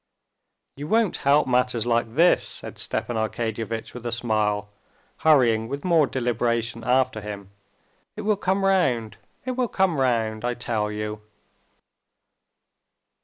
"You won't help matters like this," said Stepan Arkadyevitch with a smile, hurrying with more deliberation after him. "It will come round, it will come round ... I tell you."